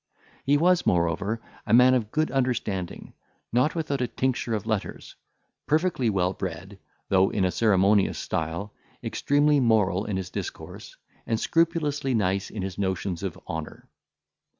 He was, moreover, a man of good understanding, not without a tincture of letters, perfectly well bred, though in a ceremonious style, extremely moral in his discourse, and scrupulously nice in his notions of honour.